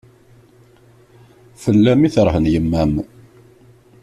Fell-am i terhen yemma-m.